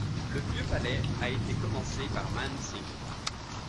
Le vieux palais a été commencé par Man Singh.